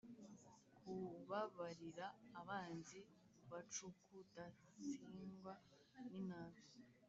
kubabarira abanzi bacukudatsindwa n’inabi